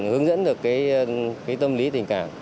hướng dẫn được cái tâm lý tình cảm